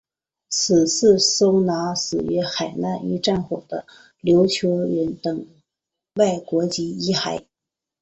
此祠收纳死于海难与战火的琉球人等外国籍遗骸。